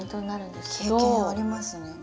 経験ありますね